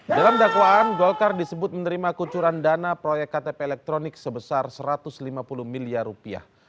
dalam dakwaan golkar disebut menerima kucuran dana proyek ktp elektronik sebesar satu ratus lima puluh miliar rupiah